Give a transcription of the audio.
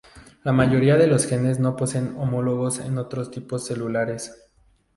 La mayoría de los genes no poseen homólogos en otros tipos celulares.